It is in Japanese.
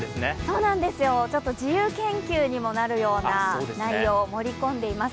そうなんですよ、自由研究にもなるような内容を盛り込んでいます。